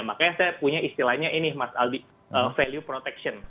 makanya saya punya istilahnya ini mas aldi value protection